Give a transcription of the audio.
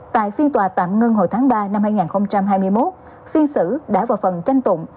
tại phiên tòa tạm ngưng hồi tháng ba năm hai nghìn hai mươi một phiên xử đã vào phần tranh tụng